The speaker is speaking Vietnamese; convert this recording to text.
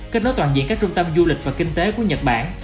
kết nối toàn diện các trung tâm du lịch và kinh tế của nhật bản